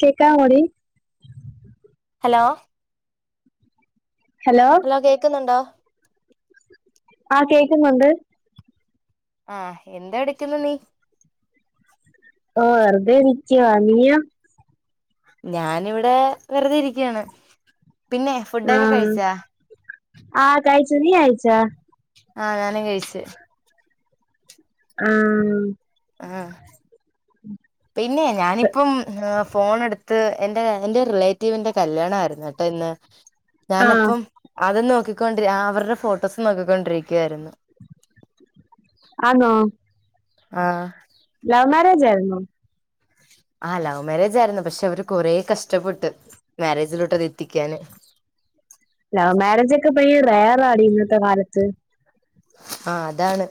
കേക്കാമോ ടീ? Hello hello ഇപ്പ കേക്കുന്നുണ്ടോ? ആഹ് കേക്കുന്നുണ്ട്. ആഹ് ഹെന്താ എട്ക്ക്ന്ന് നീ? ഓഹ് വെറുതെ ഇരിക്ക്യുവാ. നീയോ? ഞാനിവിടെ വെറുതെ ഇരിക്ക്യാണ്. പിന്നെ ഫുഡൊക്കെ കഴിച്ചാ? ആഹ് കഴിച്ചു. നീ കഴിച്ചാ? ആഹ് ഞാനും കഴിച്ച്. ആഹ് ആഹ് പിന്നേ ഞാനിപ്പം ഹാ ഫോണെട് ത്ത് എന്റെ എന്റെ റിലേറ്റീവിന്റെ കല്യാണായിരുന്നു ട്ടോ ഇന്ന്. ആ ഞാനപ്പം, അതും നോക്കിക്കൊണ്ടി അവരുടെ ഫോട്ടോസ് നോക്കിക്കൊണ്ടിരിക്കുവായിരുന്നു. ആന്നോ. ആഹ് ലവ് മാരേജ് ആയിരുന്നോ? ആഹ് ലവ് മാരേജ് ആയിരുന്നു പക്ഷെ അവര് കൊറേ കഷ്ടപ്പെട്ട് മാരേജിലോട്ട് അത് എത്തിക്ക്യാന്. ലവ് മാരേജ് ഒക്കെ പ്പ ഈ റെയറാടി ഇന്നത്തെ കാലത്ത്. ആഹ് അതാണ്.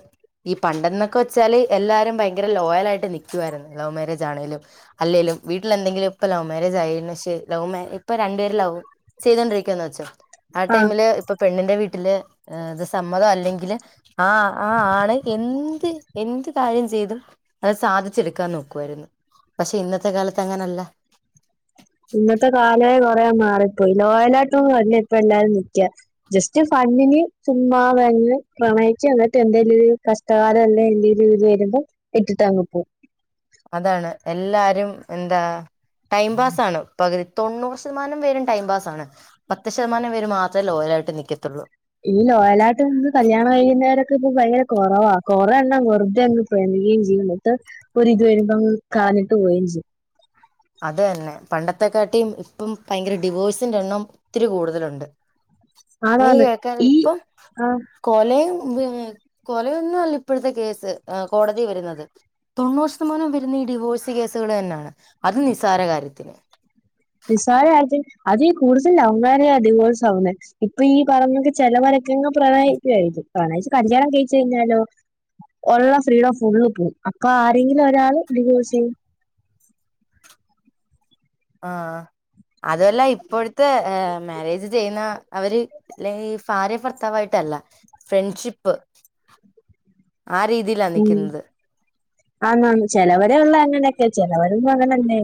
ഈ പണ്ടെന്നൊക്കെ വെച്ചാല് എല്ലാരും ഭയങ്കര ലോയലായിട്ട് നിക്ക്യുവായിരുന്നു. Love marriage ആണെലും. അല്ലേലും. വീട്ടിലെന്തെങ്കിലും ഇപ്പ ലവ് മാരേജ് ആയിണ്, പക്ഷെ ലവ് മേ ഇപ്പൊ രണ്ട് പേരും ലവ് ചെയ്തോണ്ടിരിക്കുവാന്ന് വെച്ചോ. ആ ടൈമില് ഇപ്പ പെണ്ണിന്റെ വീട്ടില് ഏഹ് ഇത് സമ്മത അല്ലെ ങ്കില് ആ ആ ആണ് എന്ത് എന്ത് കാര്യം ചെയ്തും, അത് സാധിച്ചെടുക്കാൻ നോക്കുവായിരുന്നു, പക്ഷെ ഇന്നത്തെ കാലത്ത് അങ്ങനല്ല. ഇന്നത്തെ കാലേ കൊറേ മാറിപ്പോയി ലോയലായിട്ടൊന്നും അല്ല ഇപ്പ എല്ലാരും നിക്ക. ജസ്റ്റ് ഫണ്ണിന് ചുമ്മാ വന്ന് പ്രണയിച്ച് എന്നിട്ട് എന്തെലും പ്രശ് [unintelligible] ഇത് വരുമ്പോ ഇട്ടിട്ടങ്ങ് പോവും. അതാണ് എല്ലാരും എന്താ ടൈം പാസ് ആണ് പകുതി തൊണ്ണൂറ് ശതമാനം പേരും ടൈം പാസ് ആണ് പത്ത് ശതമാനം പേര് മാത്രേ ലോയലായിട്ട് നിൽക്കത്തുള്ളൂ ഈ ലോയലായിട്ട് നിന്ന് കല്യാണം കഴിക്കുന്നവരൊക്കെ ഇപ്പം ഭയങ്കര കൊറവാ കൊറെ എണ്ണം വെറുതെ അങ്ങ് പിണങ്ങിയും ചെയ്യും എന്നിട്ട് ഒരിത് വരുമ്പോ അങ്ങ് കളഞ്ഞിട്ട് പോകയും ചെയ്യും അത് തന്നെ പണ്ടത്തെക്കാട്ടീ ഇപ്പം ഭയങ്കര ഡിവോഴ്സിന്റെ എണ്ണം ഒത്തിരി കൂടുതലുണ്ട് നീ ആണാണ് കേൾക്കാൻ ഈ ഇപ്പം ആഹ് കൊലയും പിന്നെ കൊലയൊന്നും അല്ല ഇപ്പോഴത്തെ കേസ് ആ കോടതി വരുന്നത് തൊണ്ണൂറ് ശതമാനോം വരുന്ന ഈ ഡിവോഴ്സ് കേസുകൾ തന്നെയാണ് അതും നിസ്സാര കാര്യത്തിന് നിസാര കാര്യത്തിൽ അതീ കൂടുതൽ ലവ് മാര്യേജാ ഡിവോഴ്സ് ആവുന്നേ ഇപ്പൊ ഈ പറയിന്നകണക്കു ചെലവരൊക്കെ അങ്ങ് പ്രണയിക്കുവായിരിക്കും പ്രണയിച്ച് കല്യാണം കഴിച്ച് കഴിഞ്ഞാലോ ഒള്ള ഫ്രീടോം ഫുള്ള് പോകും അപ്പൊ ആരെങ്കിലും ഒരാൾ ഡിവോഴ്സ് ചെയ്യും ആഹ് അതുമല്ല ഇപ്പോഴത്തെ ഏഹ് മാരേജ് ചെയ്യുന്ന അവര് അല്ലെങ്കി ഈ ഭാര്യയും ഭർത്താവുമായിട്ടല്ല ഫ്രണ്ട്ഷിപ്പ് ആ രീതി ഉം ആന്ന് ആന്ന് ചിലവരെ ഉള്ളേ അങ്ങനൊക്കെ ചിലവരൊന്നും അങ്ങനല്ലേ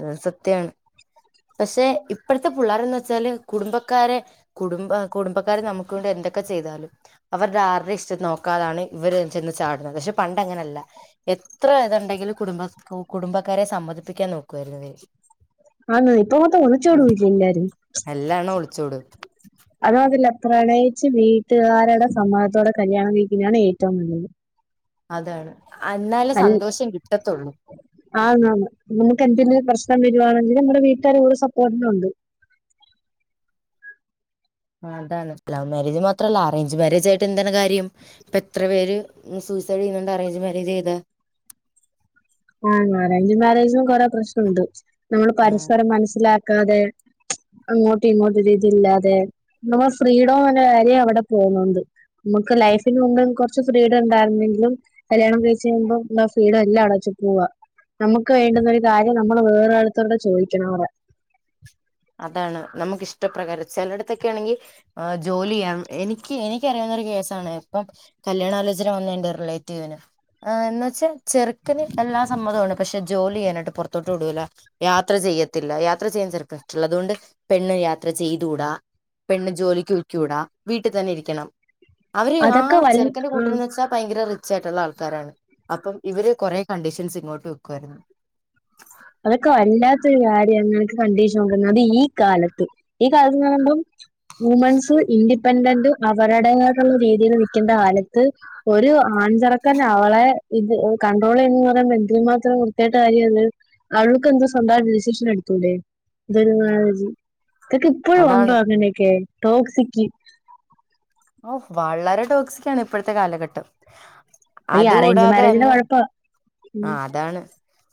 അത് സത്യാണ് പക്ഷെ ഇപ്പഴത്തെ പുള്ളാരെന്ന് വെച്ചാല് കുടുംബക്കാരെ കുടുംബ കുടുംബക്കാര് നമുക്ക് വേണ്ടി എന്തൊക്കെ ചെയ്താലും അവരുടെ ആരുടേം ഇഷ്ടം നോക്കാതാണ് ഇവര് ചെന്ന് ചാടുന്നത് പക്ഷെ പണ്ടങ്ങനല്ല എത്ര ഇതുണ്ടെങ്കിലും കുടുംബ കുടുംബക്കാരെ സമ്മതിപ്പിക്കാൻ നോക്കുവായിരുന്നു ഇവര് ആന്ന്‌ ഇപ്പം വന്ന് ഒളിച്ചോടുവല്ലേ എല്ലാരും എല്ലാ എണ്ണവും ഒളിച്ചോടും അതോ അതില്ല പ്രണയിച്ച് വീട്ടുകാരടെ സമ്മതത്തോടെ കല്യാണം കഴിക്കുന്നയാണ് ഏറ്റവും നല്ലത് അതാണ് അന്നാലേ സന്തോഷം കിട്ടത്തൊള്ളൂ ആന്ന്‌ ആന്ന് നമുക്ക് എന്തെങ്കിലും പ്രശ്നം വരുവാണെങ്കിൽ നമ്മടെ വീട്ടുകാരും കൂടെ സപ്പോർട്ടിന് ഒണ്ട് അതാണ് ലവ് മാരേജ് മാത്രല്ല അറേഞ്ച് മാരേജ് ആയിട്ട് എന്താണ് കാര്യം ഇപ്പൊ എത്ര പേര് സൂയിസൈഡ് ചെയ്യുന്നുണ്ട് അറേഞ്ച് മാരേജ് ചെയ്ത ആന്ന്‌ അറേഞ്ച് മാരേജിനും കൊറെ പ്രശ്നം ഉണ്ട് നമ്മൾ പരസ്പരം മനസ്സിലാക്കാതെ അങ്ങോട്ടും ഇങ്ങോട്ടും ഒരിതില്ലാതെ നമ്മുടെ ഫ്രീഡോ എന്ന കാര്യം അവിടെ പോന്നുണ്ട് നമുക്ക് ലൈഫിന് മുൻപ് കൊറച്ച് ഫ്രീഡം ഉണ്ടായിരുന്നെങ്കിലും കല്യാണം കഴിച്ച് കഴിയുമ്പോ ല്ലാ ഫ്രീഡം എല്ലാം അവിടെവെച്ചു പോവാ നമ്മുക്ക് വേണ്ടുന്ന ഒരു കാര്യം നമ്മള് വേറൊടുത്തരുടെ ചോദിക്കണം അവടെ അതാണ് നമുക്കിഷ്ടപ്രകാരം ചിലടത്തൊക്കെ ആണെങ്കി ആഹ് ജോലി ചെയ്യാം എനിക്ക് എനിക്കറിയാവുന്ന ഒരു കേസാണ് ഇപ്പം കല്യാണ ആലോചന വന്നെന്റെ റിലേറ്റീവിന് ആഹ് എന്ന് വച്ചാ ചെറുക്കന് എല്ലാം സമ്മതമാണ് പക്ഷെ ജോലി ചെയ്യാനായിട്ട് പൊറത്തോട്ട് വിടൂല്ല യാത്ര ചെയ്യത്തില്ല യാത്ര ചെയ്യും ചെറുക്കൻ തുള്ളത്കൊണ്ട് പെണ്ണ് യാത്ര ചെയ്തൂടാ പെണ്ണ് ജോലിക്ക് പൊ യ്കൂടാ വീട്ടിൽ തന്നെ ഇരിക്കണം അവര് ആഹ് അതൊക്കെ വൽ ചെറുക്കന്റെ ആഹ് കൂട്ടരന്ന് വെച്ചാ ഭയങ്കര റിച്ച് ആയിട്ടുള്ള ആൾക്കാരാണ് അപ്പം ഇവര് കുറെ കണ്ടീഷൻസ് ഇങ്ങോട്ട് വെക്കുവാരുന്നു അതൊക്കെ വല്ലാത്തൊരു കാര്യം അങ്ങനക്ക് കണ്ടീഷൻ വക്കുന്നത് അത് ഈ കാലത്ത് ഈ കാലത്ത് ന്ന്‌ പളമ്പം വുമൻസ് ഇൻഡിപെൻഡന്റ് അവരുടതായിട്ടുള്ള രീതിയിൽ നിൽക്കണ്ട കാലത്ത് ഒരു ആൺചെറുക്കൻ അവളെ ഇത് കണ്ടട്രോൾ ചെയ്യുന്നന്ന് പറയുമ്പോ എന്തിര് മാത്രം മാത്രം വൃത്തികെട്ട കാര്യമാ അത് അവൾക്ക് എന്ത സ്വന്തം ആയിട്ട് ഡിസിഷൻ എടുത്തൂടെ ഇത് ഒരുമാതിരി ഇതൊക്കെ ഇപ്പഴും ഉണ്ടോ അതാണ് അങ്ങനെയൊക്കെ ടോക്സിക്ക് ഓഹ് വളരെ ടോക്സിക് ആണ് ഇപ്പഴത്തെ കാലഘട്ടം ഈ അത് അറേഞ്ച് കൂടാതെ മാരേജിന്റെ തന്നെ കുഴപ്പാ ഉം ആഹ് അതാണ്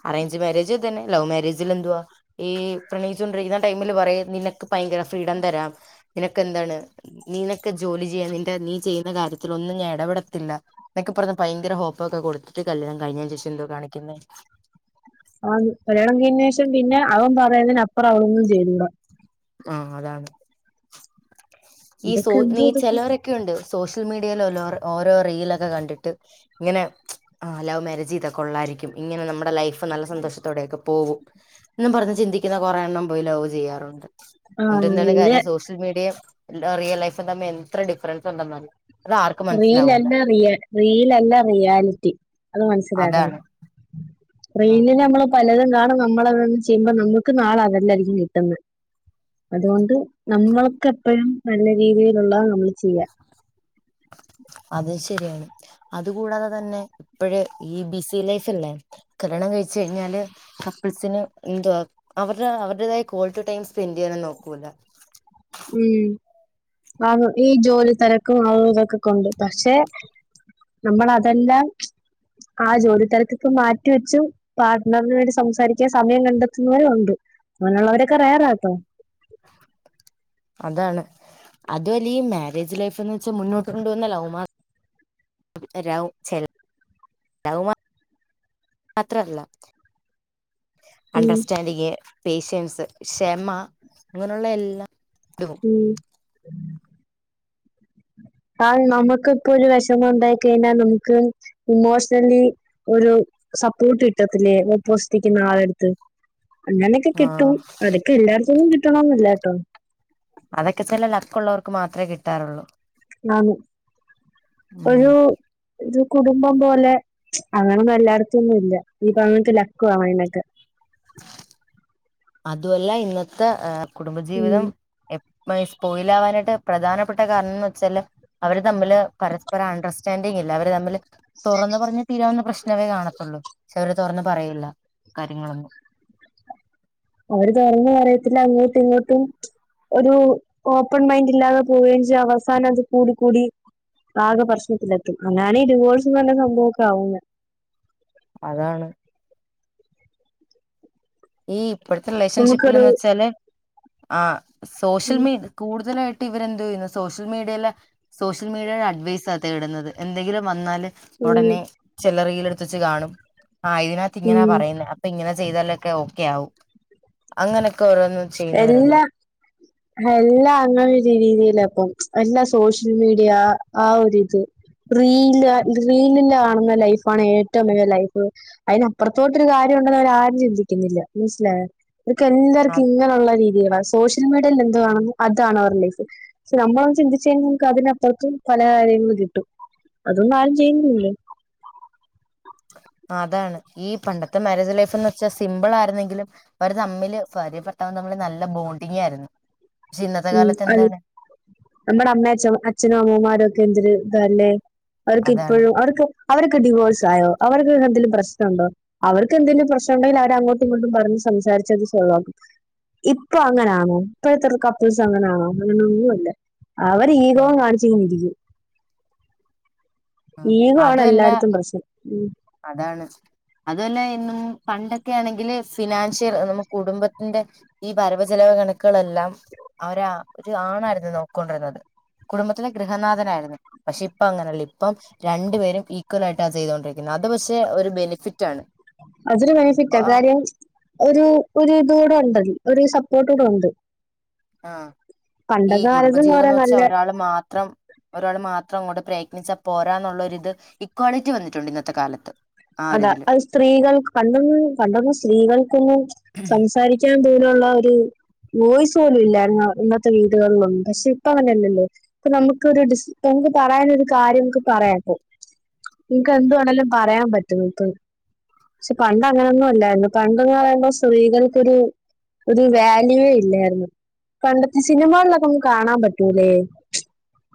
അറേഞ്ച് മാരേജും ഇത് തന്നെ ലവ് മാരെജിൽ എന്തുവാ ഈ പ്രണയിച്ചു കൊണ്ടരിക്കുന്ന ടൈമില് പറയും നിനക്ക് ഭയങ്കര ഫ്രീഡം തരാം നിനക്ക് എന്താണ് നിനക്ക് ജോലി ചെയ്യാം നിന്റെ നീ ചെയ്യുന്ന കാര്യത്തിൽ ഒന്നും ഞാൻ എടപെടത്തില്ല, എന്തൊക്കെ പറഞ്ഞ ഭയങ്കര ഹോപ്പ് ഒക്കെ കൊടുത്തിട്ട് കല്യാണം കഴിഞ്ഞതിന് ശേഷം എന്തോ കാണിക്കുന്നെ? ആഹ് കല്യാണം കഴിഞ്ഞതിന് ശേഷം പിന്നെ അവൻ പറയുന്നതിനപ്പുറം അവളൊന്നും ചെയ്തൂടാ ആഹ് അതാണ് ഈ സോ ഇതൊക്കെ എന്തോ ഈ ഇതൊക്കെ ചെലോരൊക്കെ ക്ക്യോണ്ട് സോഷ്യൽ മീഡിയൽ ഓരോ റീലൊക്കെ കണ്ടിട്ട് ഇങ്ങനെ ആഹ് ലൗ മാരേജ് ചെയ്ത കൊള്ളായിരിക്കും ഇങ്ങനെ നമ്മുടെ ലൈഫ് നല്ല സന്തോഷത്തോടെയൊക്കെ പോവും എന്ന് പറഞ്ഞ് ചിന്തിക്കുന്ന കുറെ എണ്ണം പോയി ലൗവ് ചെയ്യാറുണ്ട് ആ എന്നിട്ട് എന്താണ് ഇവര് കാര്യം സോഷ്യൽ മീഡിയ റിയൽ ലൈഫും തമ്മിൽ എത്ര ഡിഫറൻസ് ഉണ്ടെന്ന് അറിയോ? റീൽ അല്ല റിയൽ റീലല്ല റിയാലിറ്റി അത് മനസ്സിലാക്കണം അതാണ് ആ റീലില് നമ്മൾ പലതും കാണും നമ്മളതൊന്ന് ചെയ്യുമ്പോ നമ്മുക്ക് നാളെ അതല്ലായിരിക്കും കിട്ടുന്നത് അതുകൊണ്ട് നമ്മൾക്ക് എപ്പഴും നല്ല രീതിയിലുള്ള നമ്മൾ ചെയ്യാ അത് ശെരിയാണ് അതുകൂടാതെ തന്നെ ഇപ്പഴ ഈ ബിസി ലൈഫല്ലേ കല്യാണം കഴിച്ച് കഴിഞ്ഞാല് കപ്പിൾസിന് എന്തുവാ അവരുടെ അവരുടേതായ കോൾ ടു ടൈം സ്പെൻഡ് ചെയ്യാനും നോക്കൂല ഉം ആഹ് ഈ ജോലി തെരക്കും അതും അതും ഇതൊക്കെ കൊണ്ട് പക്ഷെ നമ്മൾ അതെല്ലാ ആ ജോലി തെരക്കൊക്കെ മാറ്റി വെച്ചു പാർട്ണറിന് വേണ്ടി സംസാരിക്കാൻ സമയം കണ്ടെത്തുന്നവരും ഉണ്ട് അങ്ങനെയുള്ളവരൊക്കെ റയറാട്ടോ അതാണ് അതും അല്ല ഈ മാരേജ് ലൈഫ് എന്ന് വെച്ചാൽ മുന്നോട്ട് കൊണ്ടോവുന്ന ലൗമാ [unintelligible] മാത്രല്ല ഉം അണ്ടർസ്റ്റാൻഡിങ് പേഷ്യൻസ് ക്ഷമ ഇങ്ങനെയുള്ള എല്ലാ ഇതും ഉം ആഹ് നമുക്ക് ഒക്കെ ഒരു വിഷമം ഉണ്ടായി കഴിഞ്ഞാൽ നമുക്ക് ഇമോഷണലി ഒരു സപ്പോർട്ട് കിട്ടത്തില്ലേ ഓപ്പോസിറ്റ് നിൽക്കുന്ന ആളെടുത്ത് അങ്ങനെയൊക്കെ കിട്ടും ആഹ് അതൊക്കെ എല്ലാട്ത്ത്ന്നും കിട്ടണന്നില്ല കേട്ടോ അതൊക്കെ ചില ലക്ക് ഉള്ളവർക്ക് മാത്രേ കിട്ടാറുള്ളൂ, ആന്ന് ഉം ഒരു ഒരു കുടുംബം പോലെ അങ്ങനൊന്നും എല്ലാട്തൊന്നും ഇല്ല ഇനിപ്പ അങ്ങൻത്തെ ലക്കുവാ വേണ്ടത് അതു അല്ല ഇന്നത്തെ ഏഹ് ഉം കുടുംബജീവിതം എപ് സ്പോയിലാവാനായിട്ട് പ്രധാനപ്പെട്ട കാരണംന്ന് വെച്ചാല് അവര് തമ്മില് പരസ്പരം അണ്ടർസ്റ്റാൻഡിങ് ഇല്ല അവര് തമ്മില് തൊറന്ന് പറഞ്ഞ തീരാവുന്ന പ്രശ്നമേ കാണത്തുള്ളൂ പക്ഷെ അവര് തുറന്ന് പറയില്ല കാര്യങ്ങളൊന്നും ഓര് തുറന്ന് പറയത്തില്ല അങ്ങോട്ടും ഇങ്ങോട്ടും ഒരു ഓപ്പൺ മൈൻഡ് ഇല്ലാതെ പോകേം ചെയ് അവസാനം അത് കൂടി കൂടി ആകെ പ്രശ്നത്തിലെത്തും അങ്ങനാണ് ഈ ഡിവോഴ്സും പറഞ്ഞ സംഭവൊക്കെ ആവും അതാണ് ഈ ഇപ്പഴത്തെ നമുക്കൊരു റിലേഷൻഷിപ്പിൽന്ന് വെച്ചാല് ആഹ് സോഷ്യൽ ഉം മീ കൂടുതലായിട്ട് ഇവരെന്തൊയ്യുന്നെ സോഷ്യൽ മീഡിയയിലെ സോഷ്യൽ മീഡിയയുടെ അഡ്വൈസ തേടുന്നത് എന്തെങ്കിലും വന്നാല് ഉടനെ ചിലറിൽ എടുത്തച്ച് കാണും ആഹ് തിനെ റ്റ്ങ്ങനാ ഉം പറയുന്ന അപ്പൊ ഇങ്ങനെ ചെയ്താലൊക്കെ ഓക്കെ ആവും അങ്ങനൊക്കെ ഓരോന്ന്, എല്ലാ, എല്ലാ അങ്ങനെ ഒരു രീതിയിലാപ്പം എല്ലാ സോഷ്യൽ മീഡിയ ആഹ് ആഹ് ഒരിത്, റീല റീലില് കാണുന്ന ലൈഫാണ് ഏറ്റവും വല്യ ലൈഫ്, അയ്നപ്പുറത്തോട്ടൊരു കാര്യം ഉണ്ടെന്ന് അവരാരും ചിന്തിക്കുന്നില്ല മനസ്സിലായോ അവർക്ക് എല്ലാർക്കും അത് ഇങ്ങനെ, ള്ള രീതി സോഷ്യൽ മീഡിയയിൽ എന്തുആണ് അതാണ് അവരെ ലൈഫ്, ഷേ നമ്മളന്ന് ചിന്തിച്ച കഴിഞ്ഞ നമക്ക് അതിനപ്പുറത്തും പല കാര്യങ്ങൾ കിട്ടും അതൊന്നും ആരും ചെയ്യുന്നില്ലേലോ? അതാണ്, ഈ പണ്ടത്തെ മാരേജ് ലൈഫ് എന്നെച്ചാൽ സിംമ്പിൾ ആയിരുന്നെങ്കിലും, അവര് തമ്മില് ഫാര്യഭർതാവ് തമ്മില് നല്ല ബോണ്ടിങ് ആയിരുന്നു, പക്ഷെ ഇന്നത്തെ ഉം കാലത്ത് അൽ എന്താണ് നമ്മടെ അമ്മ അച്ഛനും അമ്മമാരും ഒക്കെ എന്തൊര് ഇതാല്ലേ അവർക്ക് അതാണ് ഇപ്പഴും അവരൊക്കെ അവരൊക്കെ ക ഡിവോഴ്സ് ആയോ അവർക്കൊക്കെ എന്തലും പ്രശ്നണ്ടോ അവർക്ക് എന്തെങ്കിലും പ്രശ്നം ഉണ്ടെങ്കിൽ അവര് അങ്ങോട്ടും ഇങ്ങോട്ടും പറഞ്ഞ് സംസാരിച്ച് അത് സോൾവാക്കും ഇപ്പൊ അങ്ങനെയാണോ ഇപ്പോഴത്തെള്ള കപ്പിൾസ് അങ്ങനെയാണോ അങ്ങനെയൊന്നുല്ല അവര് ഈഗോ ആ കാണി ച് കൊണ്ടിരിക്കും ആ ഈഗോ ആണ് അതുമല്ല എല്ലായിടത്തും പ്രശ്നം ഉം അതാണ് അതുലെ ഇന്നും പണ്ടൊക്കെ ആണെങ്കില് ഫിനാൻഷ്യൽ കുടുംബത്തിന്റെ ഈ വരവ്ചിലവ് കണക്കുകളെല്ലാം അവരെ ഒരു ആണായിരുന്നു നോക്കോണ്ടിരുന്നത് കുടുംബത്തിലെ ഗൃഹനാഥനായിയിരുന്നു പക്ഷെ ഇപ്പ അങ്ങനെയല്ല ഇപ്പം രണ്ടുപേരും ഈക്വലായിട്ട ചെയ്തൊണ്ടി ഇന്നാതെ പക്ഷെ ഒരു ബെനിഫിറ്റ് ആണ് അതൊരു ബെനിഫിറ്റാ കാര്യം ഒരു ഒരു ഇതൂടെണ്ട് ഒരു സപ്പോർട്ട് ക്കെ ഉണ്ട് ആഹ് ഈ പണ്ടത്തെ കുടുംബ കാലത്ത് ജീവിതം എന്ന് പറയാൻ നല്ല വെച്ചാ ഒരാള് മാത്രം ഒരാള് മാത്രം അങ്ങോട്ട് പ്രയത്നിച്ചാൽ പോരാന്നുള്ളൊരു ഇത് ഇക്വാളിറ്റി വന്നിട്ടുണ്ട് ഇന്നത്തെ കാലത്ത് ആ അതാ ഒരിതില് അത് സ്ത്രീകൾക്ക് പണ്ടൊന്നും പണ്ടൊന്നും സ്ത്രീകൾക്കൊന്നും സംസാരി ക്ക്യാൻ ദൂരൊള്ള ഒരു വോയിസ് പോലും ഇല്ലാ ഇന്നത്തെ വീടുകളിലൊന്നും പക്ഷെ ഇപ്പം അങ്ങനെയല്ലല്ലേ ഇപ്പൊ നമുക്ക് ഒരു ഡിസ് നമുക്ക് പറയാന് ഒരു കാര്യം നമുക്ക് പറയാം ഇപ്പൊ നിങക്ക് എന്തുവാണേല്ലും പറയാൻ പറ്റും ഇപ്പം പക്ഷെ പണ്ട് അങ്ങനൊന്നും അല്ലായിരുന്നു പണ്ടെന്ന് പറയുമ്പോ സ്ത്രീകൾക്കൊരു ഒരു വാല്യുവേ ഇല്ലായിരുന്നു പണ്ടത്തെ സിനിമകളിലൊക്കെ നമുക്ക് കാണാൻ പറ്റൂല്ലേ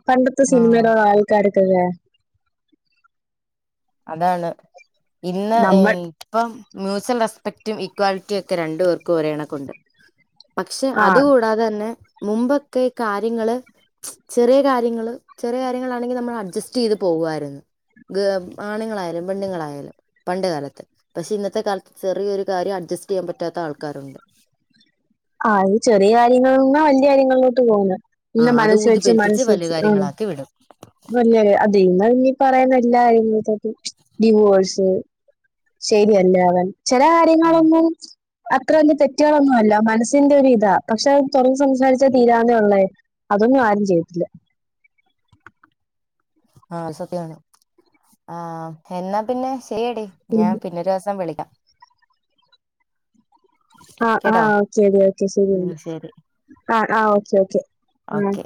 പണ്ടത്തെ സിനിമറോ ആൾക്കാരൊക്കെല്ലേ അതാണ് ഇന്ന് ഈ നമ്മൾ ഇപ്പം മ്യൂച്വൽ റെസ്പെക്ടും ഈക്വാലിറ്റിയും ഒക്കെ രണ്ടു പേർക്കും ഒരേകണക്കുണ്ട് പക്ഷെ ആ അതുകൂടാതെ തന്നെ മുമ്പൊക്കെ കാര്യങ്ങള് ചെറിയ കാര്യങ്ങള് ചെറിയ കാര്യങ്ങളാണെങ്കിൽ നമ്മൾ അഡ്ജസ്റ്റയ്ത് പോകുവായിരുന്നു ആണുങ്ങളാലും പെണ്ണുങ്ങളായാലും പണ്ട് കാലത്ത് പക്ഷെ ഇന്നത്തെ കാലത്ത് ചെറിയൊരു കാര്യം അഡ്ജസ്റ്റയ്യാൻ പറ്റാത്ത ആൾക്കാരുണ്ട് അഹ് ചെറിയ കാര്യങ്ങളാന്ന് വല്യ കാര്യങ്ങളിലോട്ട് പോകുന്നത് ആ ഇന്ന അത് മനസ്സ് ഊതി വെച്ച പെരുപ്പിച്ച് മനസ്സ് വലിയ വെച്ച് ഉം കാര്യങ്ങളാക്കി വിടും വല്ല അതീന്നാ ഞ് പറയുന്ന എല്ലാ [unintelligible] ഡിവോഴ്സ് ശരിയല്ല അവൻ ചെല കാര്യങ്ങളൊന്നും അത്ര വല്യ തെറ്റുകളൊന്നു അല്ല മനസ് ന്റെ ഒരു ഇതാ പക്ഷെ അത് തുറന്ന് സംസാരിചാൽ തീരവുന്നതേ ഉള്ളായിരുന്നു അതൊന്നും ആരും ചെയ്തില്ല ആ സത്യമാണ് ആ എന്നാ പിന്നെ ശെരിയടി ഉം ഞാൻ പിന്നെരു ദിവസം വിളിക്കാം ആഹ കേട്ടോ ആഹ ശരിഓക്കെ ഉം ശരിയെന്ന ശരി ആഹ ആഹ ഓക്കെ ഓക്കെ ആ ഓക്കെ